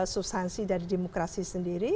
substansi dari demokrasi sendiri